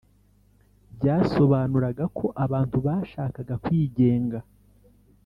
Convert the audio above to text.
Byasobanuraga ko abantu bashaka ga kwigenga